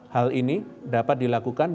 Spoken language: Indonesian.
hal ini dapat dilakukan